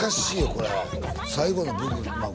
これは最後の部分まあ